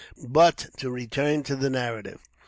] But to return to the narrative.